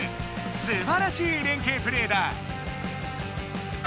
すばらしいれんけいプレーだ！